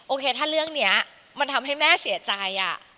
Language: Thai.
โอเคถ้าเรื่องนี้มันทำให้แม่เสียใจ